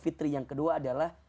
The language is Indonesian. fitri yang kedua adalah